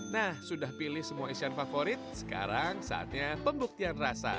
nah sudah pilih semua isian favorit sekarang saatnya pembuktian rasa